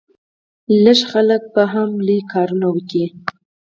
کم خلک به هم لوی کارونه وکړي.